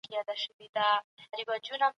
ساینس پوهان د کاغذ په کیفیت څېړنه کوي.